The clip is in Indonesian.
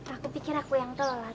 aku pikir aku yang kelelah